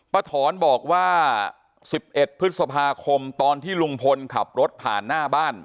ถอนบอกว่า๑๑พฤษภาคมตอนที่ลุงพลขับรถผ่านหน้าบ้าน